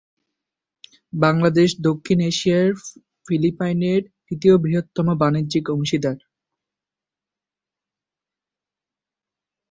বাংলাদেশ দক্ষিণ এশিয়ায় ফিলিপাইনের তৃতীয় বৃহত্তম বাণিজ্যিক অংশীদার।